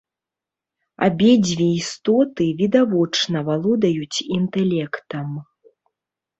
Абедзве істоты відавочна валодаюць інтэлектам.